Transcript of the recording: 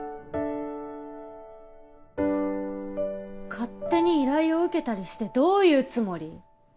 勝手に依頼を受けたりしてどういうつもり？